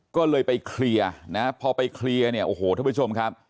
ก็เลยไปเคลียร์นะพอไปเคลียร์เนี่ยโอ้โหท่านผู้ชมครับ